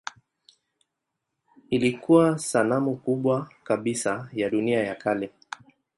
Ilikuwa sanamu kubwa kabisa ya dunia ya kale.